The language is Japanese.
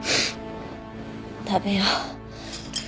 食べよう。